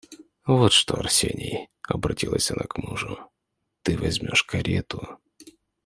Вот что, Арсений, — обратилась она к мужу, — ты возьмешь карету...